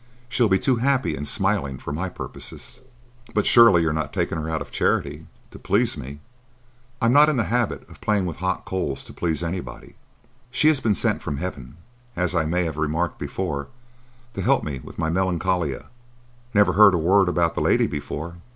She'll be too happy and smiling for my purposes." "But surely you're not taking her out of charity?—to please me?" "I am not in the habit of playing with hot coals to please anybody. She has been sent from heaven, as I may have remarked before, to help me with my Melancolia." "Never heard a word about the lady before."